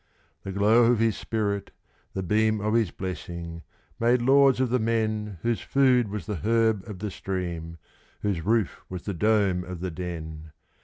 The glow of His Spirit the beam of His blessing made lords of the men Whose food was the herb of the stream, whose roof was the dome of the den.